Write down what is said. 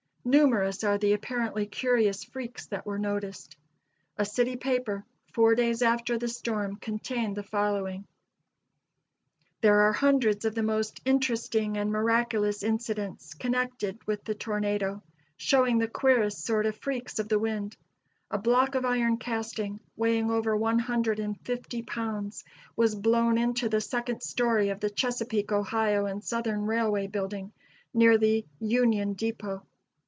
Numerous are the apparently curious freaks that were noticed. A city paper, four days after the storm, contained the following: "There are hundreds of the most interesting and miraculous incidents connected with the tornado, showing the queerest sort of freaks of the wind. A block of iron casting, weighing over one hundred and fifty pounds, was blown into the second story of the Chesapeake, Ohio and Southern Railway building, near the Union Depot.